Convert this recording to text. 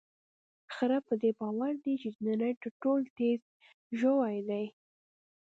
خره په دې باور دی چې د نړۍ تر ټولو تېز ژوی دی.